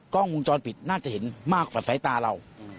กล้องวงจรปิดน่าจะเห็นมากกว่าสายตาเรา